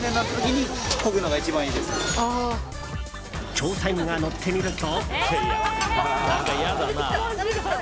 調査員が乗ってみると。